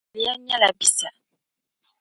O zuliya nyɛla Bissa.